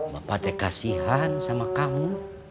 bapak teh kasihan sama kamu